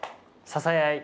支え合い。